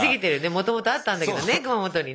もともとあったんだけどね熊本にね。